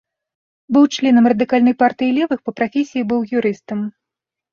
Быў членам радыкальнай партыі левых, па прафесіі быў юрыстам.